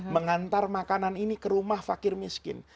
mengantar makanan ini ke rumah fakir miskin